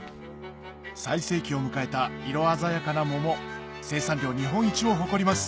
最盛期を迎えた色鮮やかな桃生産量日本一を誇ります